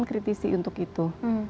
mengkritisi untuk itu